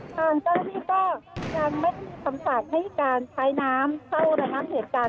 ทางเจ้ารถที่ก็ยังไม่มีสัมภาษณ์ให้การใช้น้ำเข้าระหว่างเหตุการณ์